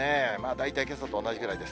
大体けさと同じぐらいです。